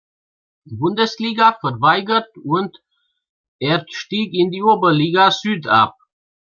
Bundesliga verweigert und er stieg in die Oberliga Süd ab.